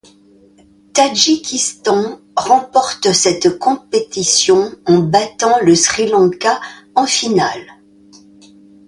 Le Tadjikistan remporte cette compétition en battant le Sri Lanka en finale.